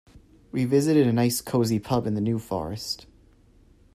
We visited a nice cosy pub in the New Forest.